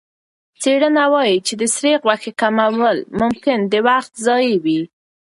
څېړنه وايي چې د سرې غوښې کمول ممکن د وخت ضایع وي.